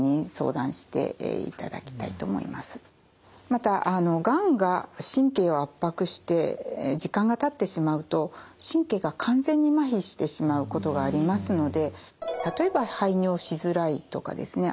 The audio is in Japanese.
またがんが神経を圧迫して時間がたってしまうと神経が完全にまひしてしまうことがありますので例えば排尿しづらいとかですね